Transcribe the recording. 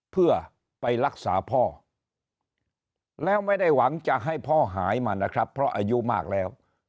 เพื่อไปรักษาพ่อแล้วไม่ได้หวังจะให้พ่อหายมานะครับเพราะอายุมากแล้ว